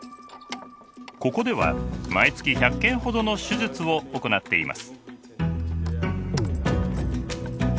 ここでは毎月１００件ほどの手術を行っています。